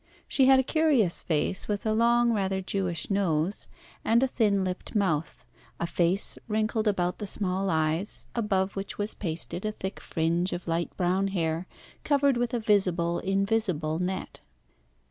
She had a curious face, with a long rather Jewish nose, and a thin lipped mouth, a face wrinkled about the small eyes, above which was pasted a thick fringe of light brown hair covered with a visible "invisible" net.